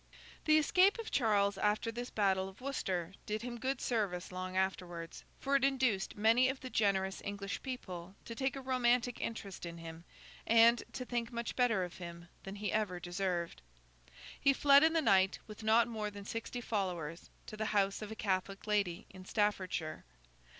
The escape of Charles after this battle of Worcester did him good service long afterwards, for it induced many of the generous English people to take a romantic interest in him, and to think much better of him than he ever deserved. He fled in the night, with not more than sixty followers, to the house of a Catholic lady in Staffordshire.